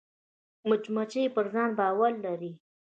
مچمچۍ پر ځان باور لري